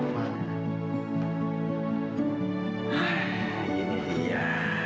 haih ini dia